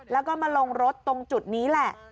แล้วก็มาลงรถตรงจุดนี้แหละ